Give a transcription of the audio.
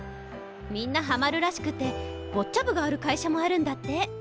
みんなハマるらしくてボッチャ部がある会社もあるんだって。